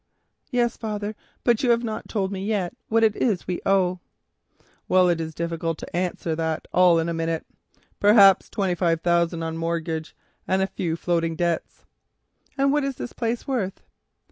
"Yes, father, but you have not told me yet what it is that we owe." "Well, it is difficult to answer that all in a minute. Perhaps twenty five thousand on mortgage, and a few floating debts." "And what is the place worth?"